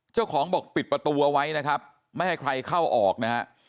เจ้าของบอกปิดประตูเอาไว้นะครับไม่ให้ใครเข้าออกนะฮะ